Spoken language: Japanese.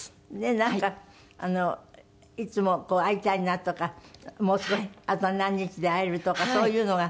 なんかいつも会いたいなとかもう少しあと何日で会えるとかそういうのが。